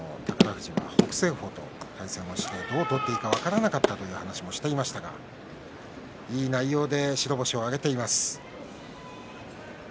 富士は北青鵬と対戦してどう取っていいか分からなかったという話をしていましたがいい内容で白星を挙げています。